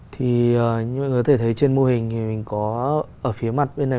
thì như mọi người có thể thấy trên mô hình thì mình có ở phía mặt bên này